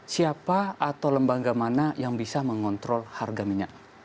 siapa atau lembaga mana yang bisa mengontrol harga minyak